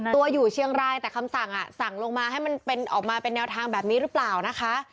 ตัวอยู่เชียงรายแต่คำสั่งสั่งลงมาให้มันเป็นออกมาเป็นแนวทางแบบนี้หรือเปล่านะคะ